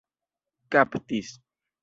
kaptis